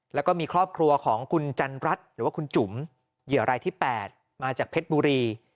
แล้วก็มีครอบครัวของคุณจันรัฐหรือว่าคุณจุ๋มเหยื่อรายที่๘มาจากเพชรบุรี